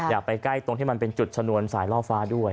ไปใกล้ตรงที่มันเป็นจุดชนวนสายล่อฟ้าด้วย